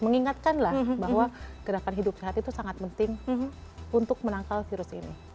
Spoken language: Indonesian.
mengingatkanlah bahwa gerakan hidup sehat itu sangat penting untuk menangkal virus ini